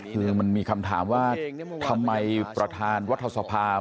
คือมันมีคำถามว่าทำไมประธานรัฐสภา